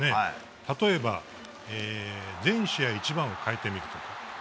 例えば、全試合１番を変えてみるとか。